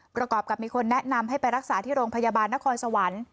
ประกอบกับมีคนแนะนำให้ไปรักษาที่โรงพยาบาลนครสวรรค์